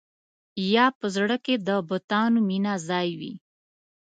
یا په زړه کې د بتانو مینه ځای وي.